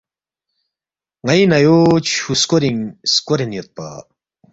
ن٘ئی نَیو چھُو سکورِنگ سکورین یودپا